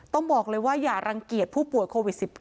ต้องบอกเลยว่าอย่ารังเกียจผู้ป่วยโควิด๑๙